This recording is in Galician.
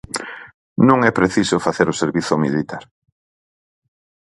Non é preciso facer o servizo militar.